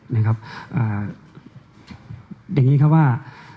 อย่างนี้ครับว่า